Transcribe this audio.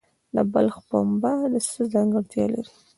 د بلخ پنبه څه ځانګړتیا لري؟